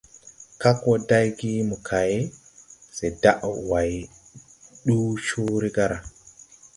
Kag wɔ day ge mokay, se daʼa way nduu Cõõré gaara.